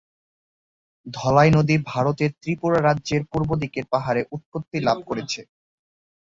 ধলাই নদী ভারতের ত্রিপুরা রাজ্যের পূর্ব দিকের পাহাড়ে উৎপত্তি লাভ করেছে।